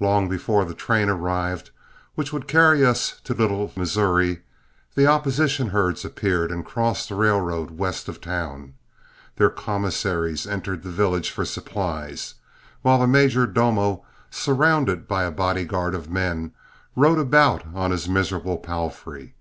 Long before the train arrived which would carry us to Little Missouri, the opposition herds appeared and crossed the railroad west of town. Their commissaries entered the village for supplies, while the "major domo," surrounded by a body guard of men, rode about on his miserable palfrey.